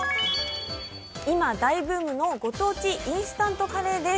今大ブームのご当地インスタントカレーです。